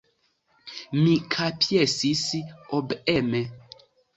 Mi kapjesis obeeme.